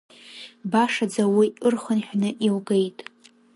Башаӡа уи ырхынҳәны иугеит.